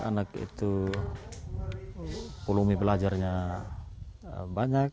anak anak itu pulumi belajarnya banyak